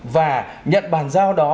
và nhận bàn giao đó